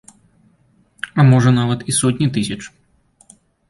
А можа, нават і сотні тысяч.